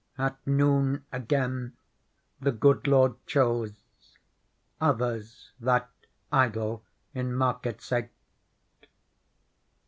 At noon, again, the good lord chose Others that idle in market sate.